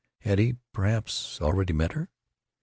Had he, perhaps, already met her?